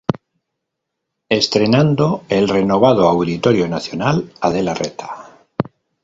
Estrenando el renovado Auditorio Nacional Adela Reta.